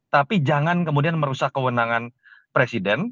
tapi jangan kemudian merusak kewenangan presiden